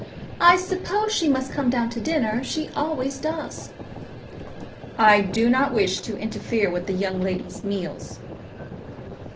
I suppose she must come down to dinner. She always does." "I do not wish to interfere with the young lady's meals."